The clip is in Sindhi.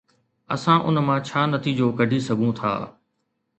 اسان ان مان ڇا نتيجو ڪڍي سگهون ٿا؟